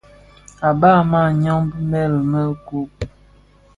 À bab a màa nyɔng bi mëli mɛ kob.